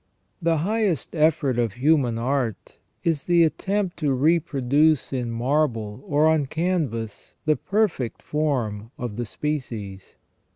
The highest effort of human art is the attempt to reproduce in marble or on canvas the perfect form of the species.